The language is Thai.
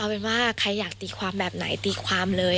เอาเป็นว่าใครอยากตีความแบบไหนตีความเลย